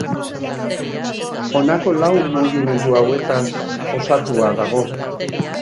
Honako lau mugimendu hauetaz osatua dago.